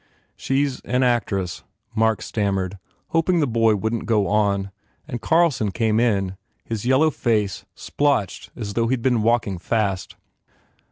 "She s an actress," Mark stammered, hoping the boy wouldn t go on, and Carlson came in, his yellow face splotched as though he d been walking fast.